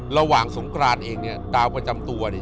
ระหว่างสงกรานเองเนี่ยดาวประจำตัวเนี่ย